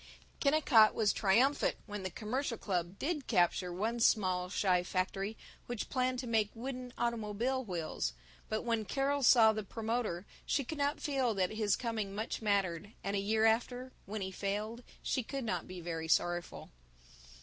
Kennicott was triumphant when the Commercial Club did capture one small shy factory which planned to make wooden automobile wheels, but when Carol saw the promoter she could not feel that his coming much mattered and a year after, when he failed, she could not be very sorrowful.